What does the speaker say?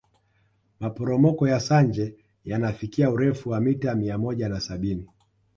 maporomoko ya sanje yanafikia urefu wa mita mia moja na sabini